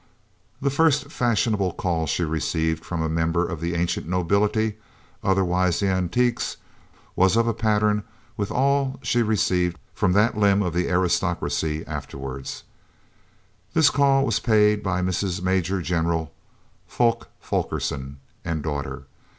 The first fashionable call she received from a member of the ancient nobility, otherwise the Antiques, was of a pattern with all she received from that limb of the aristocracy afterward. This call was paid by Mrs. Major General Fulke Fulkerson and daughter.